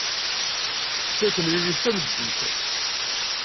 Tekfa temlilit tameddit.